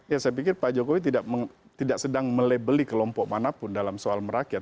ya saya pikir pak jokowi tidak sedang melabeli kelompok manapun dalam soal merakyat